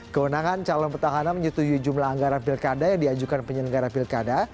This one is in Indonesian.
kewenangan calon petahana menyetujui jumlah anggaran pilkada yang diajukan penyelenggara pilkada